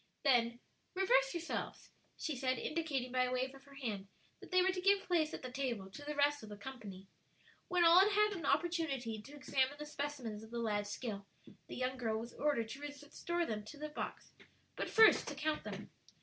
Then, "Reverse yourselves," she said, indicating by a wave of her hand, that they were to give place at the table to the rest of the company. When all had had an opportunity to examine the specimens of the lad's skill, the young girl was ordered to restore them to the box, but first to count them.